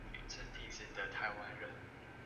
暈針體質的台灣人